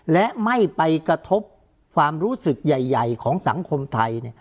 และไม่ไปกระทบความรู้สึกใหญ่ของสังคมไทย